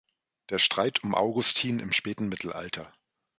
Der Streit um Augustin im späten Mittelalter.